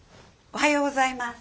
おはようございます。